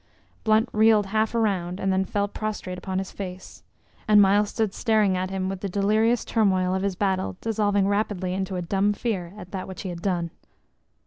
Blunt reeled half around, and then fell prostrate upon his face; and Myles stood staring at him with the delirious turmoil of his battle dissolving rapidly into a dumb fear at that which he had done.